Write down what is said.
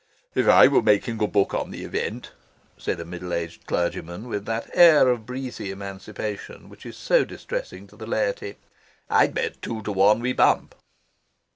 "If I were making a book on the event," said a middle aged clergyman, with that air of breezy emancipation which is so distressing to the laity, "I'd bet two to one we bump."